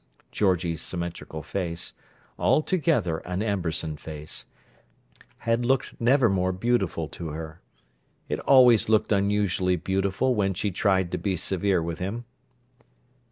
Georgie's symmetrical face—altogether an Amberson face—had looked never more beautiful to her. It always looked unusually beautiful when she tried to be severe with him.